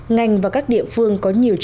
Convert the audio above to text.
ngành và các địa phương